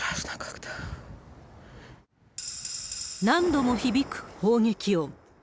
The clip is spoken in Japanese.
何度も響く砲撃音。